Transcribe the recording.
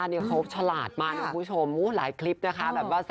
นี่ก็เป็นการทำงานใช่ไหมคะ